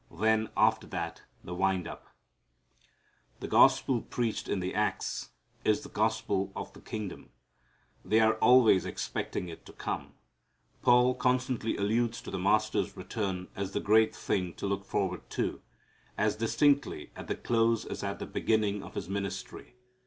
Then after that the wind up. The gospel preached in the Acts is the "gospel of the kingdom." They are always expecting it to come. Paul constantly alludes to the Master's return as the great thing to look forward to, as distinctly at the close as at the beginning of his ministry.